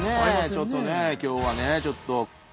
ちょっとね今日はねちょっと。